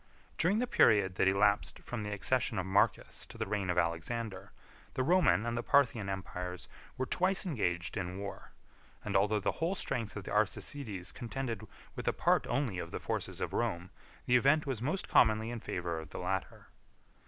During the period that elapsed from the accession of Marcus to the reign of Alexander, the Roman and the Parthian empires were twice engaged in war; and although the whole strength of the Arsacides contended with a part only of the forces of Rome, the event was most commonly in favor of the latter.